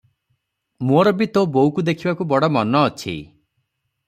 ମୋର ବି ତୋ ବୋଉକୁ ଦେଖିବାକୁ ବଡ଼ ମନ ଅଛି ।